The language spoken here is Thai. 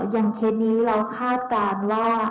เคสนี้เราคาดการณ์ว่า